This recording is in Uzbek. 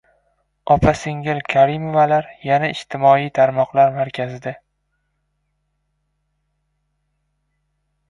Opa-singil Karimovalar yana ijtimoiy tarmoqlar markazida!